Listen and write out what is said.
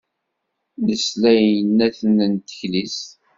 Nesla i yinaynaten n teklizt.